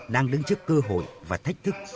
đang đứng trước cơ hội và thách thức